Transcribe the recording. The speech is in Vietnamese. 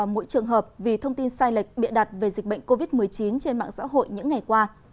mỗi trường hợp vì thông tin sai lệch bịa đặt về dịch bệnh covid một mươi chín trên mạng xã hội những ngày qua